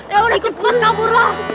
yaudah cepet kaburlah